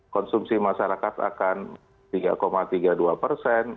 konsumsi masyarakat akan tiga tiga puluh dua persen